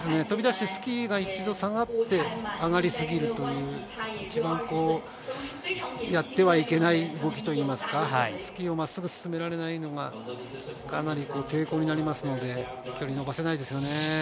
飛び出してスキーが一度下がって、上がりすぎるという一番やってはいけない動きといいますか、スキーを真っすぐ進められないのが、かなり抵抗になりますので、距離を伸ばせないですよね。